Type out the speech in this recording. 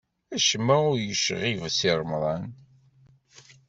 Acemma ur yecɣib Si Remḍan.